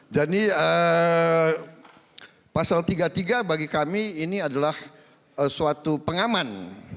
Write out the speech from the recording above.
jadi pasal tiga puluh tiga bagi kami ini adalah suatu pengaman